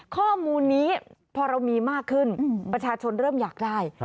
ข้อมูลนี้พอเรามีมากขึ้นประชาชนเริ่มอยากได้